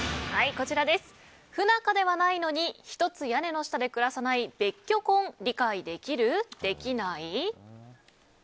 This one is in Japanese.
不仲ではないのにひとつ屋根の下で暮らさない別居婚、理解できる？できない？